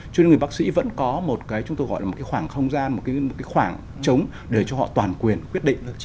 cho nên người bác sĩ vẫn có một khoảng không gian một khoảng trống để cho họ toàn quyền quyết định